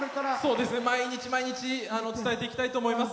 毎日、毎日伝えていきたいと思います。